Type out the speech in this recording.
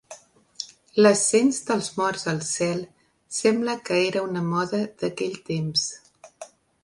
L'ascens dels morts al cel sembla que era una moda d'aquell temps.